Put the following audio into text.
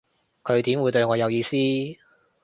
佢點會對我有意思